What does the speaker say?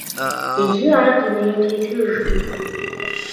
Иджы ар дунейм тетыжкъым.